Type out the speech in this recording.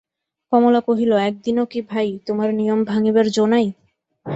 কমলা কহিল, এক দিনও কি ভাই, তোমার নিয়ম ভাঙিবার জো নাই?